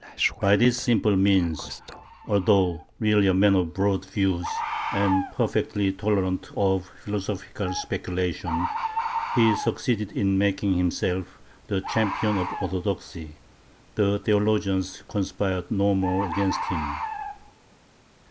By this simple means, although really a man of broad views and perfectly tolerant of philosophical speculation, he succeeded in making himself the champion of orthodoxy; the theologians conspired no more against him.